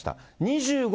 ２５